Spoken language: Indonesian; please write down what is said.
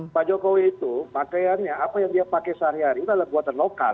pak jokowi itu pakaiannya apa yang dia pakai sehari hari adalah buatan lokal